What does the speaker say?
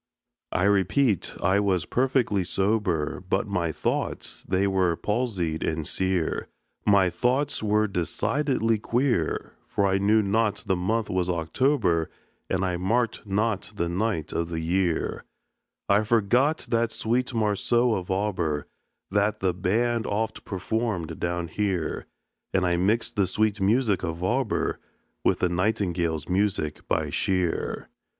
I repeat, I was perfectly sober, But my thoughts they were palsied and sear, My thoughts were decidedly queer; For I knew not the month was October, And I marked not the night of the year; I forgot that sweet morceau of Auber That the band oft performed down here, And I mixed the sweet music of Auber With the Nightingale's music by Shear.